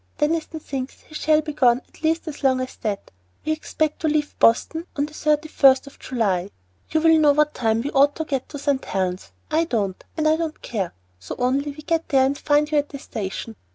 Deniston thinks he shall be gone at least as long as that. We expect to leave Boston on the 31st of July. You will know what time we ought to get to St. Helen's, I don't, and I don't care, so only we get there and find you at the station.